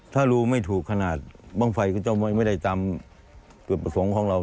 ถ้ารูไม่ถูกขนาดบ้างไฟก็จะไม่ได้ตามจุดประสงค์ของเรา